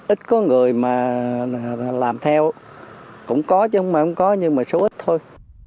ít có người mà làm theo cũng có chứ không phải không có nhưng mà số ít thôi